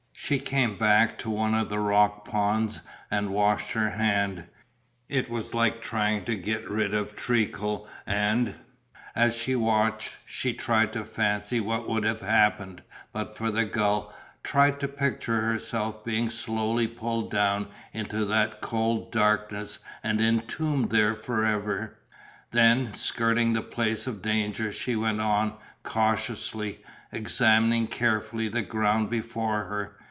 She came back to one of the rock ponds and washed her hand, it was like trying to get rid of treacle and, as she washed, she tried to fancy what would have happened but for the gull, tried to picture herself being slowly pulled down into that cold darkness and entombed there forever. Then, skirting the place of danger, she went on, cautiously, examining carefully the ground before her.